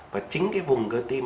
và chính cái vùng cơ tim